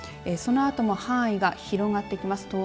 そのあとも範囲が広がってきます。